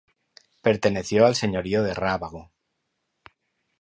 Perteneció al señorío de Rábago.